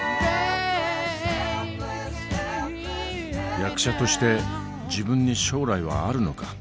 役者として自分に将来はあるのか。